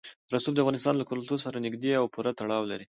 رسوب د افغانستان له کلتور سره نږدې او پوره تړاو لري.